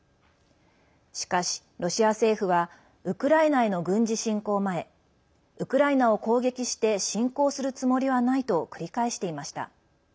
しかし、ロシア政府はウクライナへの軍事侵攻前ウクライナを攻撃して侵攻するつもりはないと繰り返していました。